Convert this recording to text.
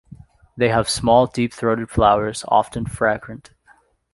They have small, deep-throated flowers, often fragrant.